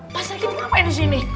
pak sri kiti ngapain di sini